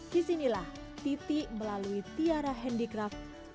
disinilah titi melalui tiara handicraft